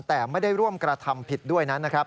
แต่ไม่ได้ร่วมกระทำผิดด้วยนั้นนะครับ